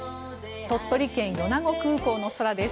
鳥取県・米子空港の空です。